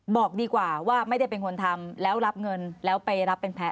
บอกดีกว่าว่าไม่ได้เป็นคนทำแล้วรับเงินแล้วไปรับเป็นแพ้